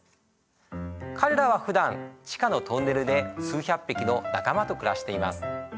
彼らはふだん地下のトンネルで数百匹の仲間と暮らしています。